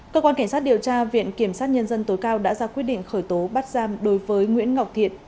cơ quan cảnh sát điều tra viện kiểm sát nhân dân tối cao đã ra quyết định khởi tố bắt giam đối với nguyễn ngọc thiện